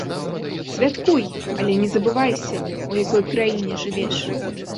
Святкуй, але не забывайся, у якой краіне жывеш.